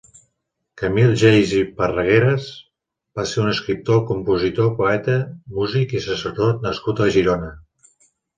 Camil Geis i Parragueras va ser un escriptor, compositor, poeta, músic i sacerdot nascut a Girona.